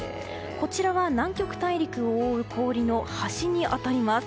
こちらは南極大陸を覆う氷の端に当たります。